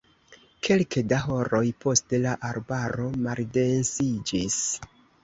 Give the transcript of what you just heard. Kelke da horoj poste la arbaro maldensiĝis.